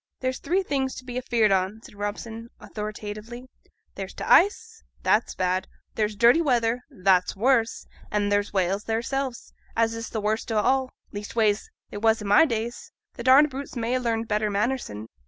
'There's three things to be afeared on,' said Robson, authoritatively: 'there's t' ice, that's bad; there's dirty weather, that's worse; and there's whales theirselves, as is t' worst of all; leastways, they was i' my days; t' darned brutes may ha' larnt better manners sin'.